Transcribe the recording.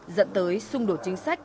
dẫn tới xung đột chính sách